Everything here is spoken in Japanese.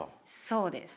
そうです。